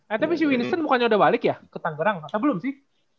eh tapi si winston mukanya udah balik ya ke tangerang atau belum sih